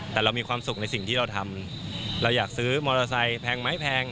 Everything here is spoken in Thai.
แต่เรามีความสุขในสิ่งที่เราทำเราอยากซื้อมอเตอร์ไซค์แพงไหมแพง